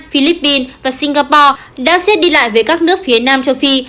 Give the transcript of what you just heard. philippines và singapore đã xét đi lại với các nước phía nam châu phi